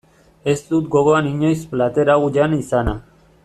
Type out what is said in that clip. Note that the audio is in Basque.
Ez dut gogoan inoiz plater hau jan izana.